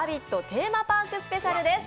テーマパークスペシャルです。